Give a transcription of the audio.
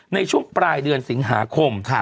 ในช่วงปลายเดือนสิงหาคม